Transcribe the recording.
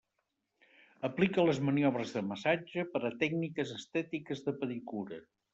Aplica les maniobres de massatge per a tècniques estètiques de pedicura.